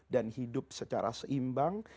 dan hidup secara seimbang